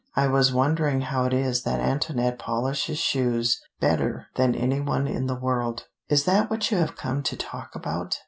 "I was wondering how it is that Antoinette polishes shoes better than any one in the world." "Is that what you have come to talk about?"